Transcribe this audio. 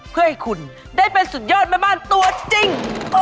เพื่อให้คุณได้เป็นสุดยอดแม่บ้านตัวจริง